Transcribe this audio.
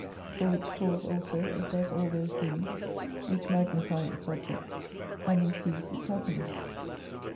For which cause also it does all those things, which magnify its object and increase its happiness.